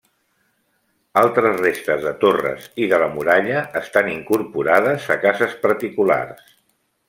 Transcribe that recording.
Altres restes de torres i de la muralla estan incorporades a cases particulars.